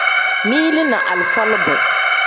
Mili ni alifa lube.